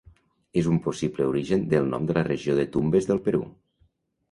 Es un possible origen del nom de la regió de Tumbes del Perú.